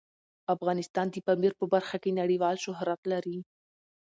افغانستان د پامیر په برخه کې نړیوال شهرت لري.